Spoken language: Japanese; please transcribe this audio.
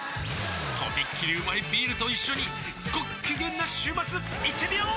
とびっきりうまいビールと一緒にごっきげんな週末いってみよー！